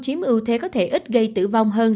chiếm ưu thế có thể ít gây tử vong hơn